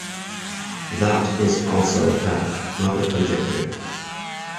That is also a fact, not a conjecture.